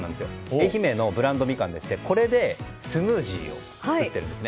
愛媛のブランドミカンでしてこれでスムージーを作ってます。